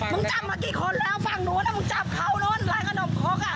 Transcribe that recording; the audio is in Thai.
มึงจับมากี่คนแล้วฟังหนูว่าแล้วมึงจับเขารายกนมของกะ